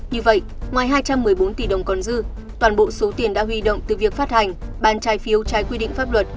như vậy ngoài hai trăm một mươi bốn tỷ đồng còn dư toàn bộ số tiền đã huy động từ việc phát hành bán trái phiếu trái quy định pháp luật